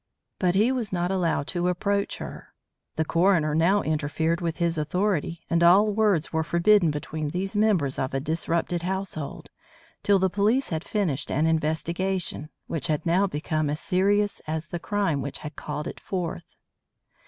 But he was not allowed to approach her. The coroner now interfered with his authority, and all words were forbidden between these members of a disrupted household, till the police had finished an investigation, which had now become as serious as the crime which had called it forth.